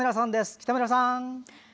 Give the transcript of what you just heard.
北村さん！